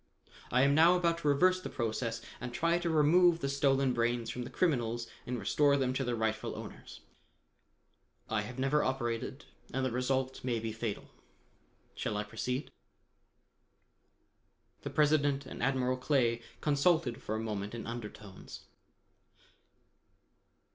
I am now about to reverse the process and try to remove the stolen brains from the criminals and restore them to their rightful owners. I have never operated and the result may be fatal. Shall I proceed?" The President and Admiral Clay consulted for a moment in undertones.